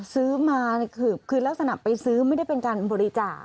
ซื้อมาคือลักษณะไปซื้อไม่ได้เป็นการบริจาค